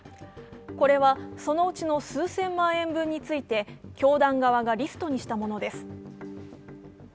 これは、そのうちの数千万円分について、教団側がリストにしたものです。